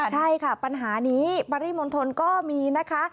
ใช่ค่ะปัญหานี้ปริมณฑลก็มีนะคะ